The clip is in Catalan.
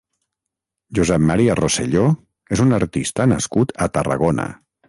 Josep Maria Rosselló és un artista nascut a Tarragona.